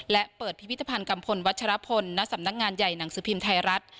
และเปิดพิพิธภัณฑ์กัมพลวัชรพลณสำนักงานใหญ่หนังสือพิมพ์ไทยรัฐ